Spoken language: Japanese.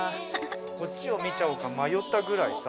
こっちを見ちゃおうか迷ったぐらいさ。